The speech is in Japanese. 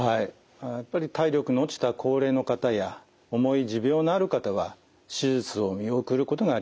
やっぱり体力の落ちた高齢の方や重い持病のある方は手術を見送ることがあります。